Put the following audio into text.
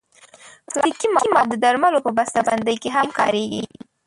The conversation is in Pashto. پلاستيکي مواد د درملو په بستهبندۍ کې هم کارېږي.